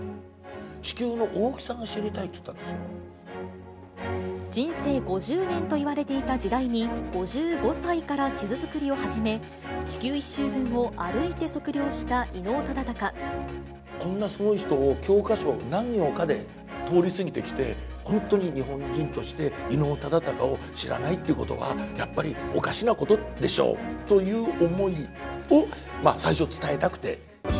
地球の大きさが知りたいって人生５０年といわれていた時代に、５５歳から地図作りを始め、地球１周分を歩いて測量した伊能こんなすごい人を、教科書何行かで通り過ぎてきて、本当に日本人として、伊能忠敬を知らないということが、やっぱりおかしなことでしょうという思いを最初、伝えたくて。